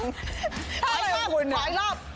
หลายข้างรอบ